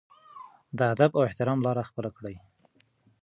د ادب او احترام لار خپله کړي.